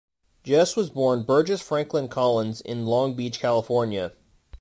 Jess was born Burgess Franklin Collins in Long Beach, California.